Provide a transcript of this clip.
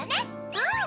うん！